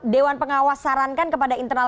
dewan pengawas sarankan kepada internal